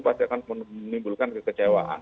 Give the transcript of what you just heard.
pasti akan menimbulkan kekecewaan